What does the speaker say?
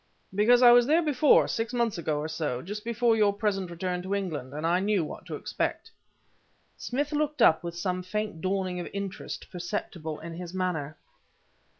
"Because I was there before, six months ago or so just before your present return to England and I knew what to expect." Smith looked up with some faint dawning of interest perceptible in his manner.